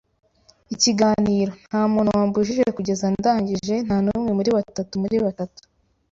ikiganiro. Ntamuntu wambujije kugeza ndangije, nta numwe muri batatu muri batatu